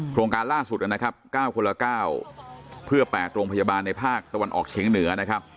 การล่าสุดนะครับ๙คนละ๙เพื่อ๘โรงพยาบาลในภาคตะวันออกเฉียงเหนือนะครับ